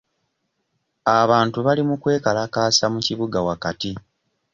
Abantu bali mu kwekalakaasa mu kibuga wakati.